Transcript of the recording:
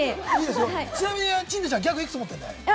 ちなみに鎮西ちゃん、ギャグいくつ持ってんだい？